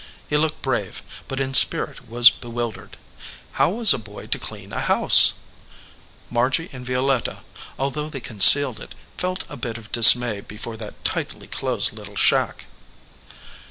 He looked brave, but in spirit was bewil dered. How was a boy to clean a house ? Margy and Violetta, although they concealed it, felt a bit of dismay before that tightly closed little shack.